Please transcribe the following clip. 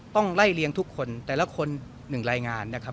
ต้องไล่เลี้ยงทุกคนแต่ละคนหนึ่งรายงานนะครับ